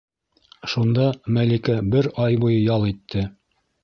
Шунда Мәликә бер ай буйы ял итте.